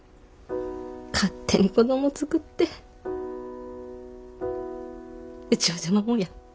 勝手に子供作ってうちは邪魔者や。